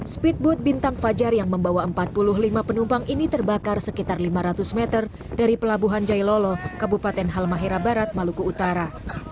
speedboat bintang fajar yang membawa empat puluh lima penumpang ini terbakar sekitar lima ratus meter dari pelabuhan jailolo kabupaten halmahera barat maluku utara